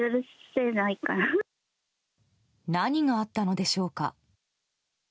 何があったのでしょうか。